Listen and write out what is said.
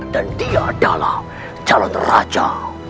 dan dia adalah calon raja